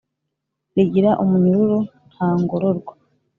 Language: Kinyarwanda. rigira umunyururu nta ngororwa